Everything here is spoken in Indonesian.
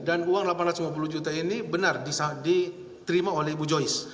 dan uang delapan ratus lima puluh juta ini benar diterima oleh ibu joyce